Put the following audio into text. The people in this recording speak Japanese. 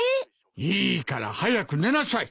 いいから早く寝なさい。